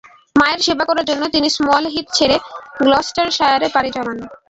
মায়ের সেবা করার জন্য তিনি স্মল হিথ ছেড়ে গ্লস্টারশায়ারে পাড়ি জমান।